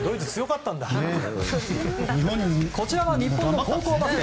こちらは、日本の高校バスケ。